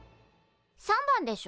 ３番でしょ。